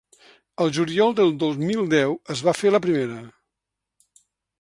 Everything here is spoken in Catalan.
El juliol del dos mil deu es va fer la primera.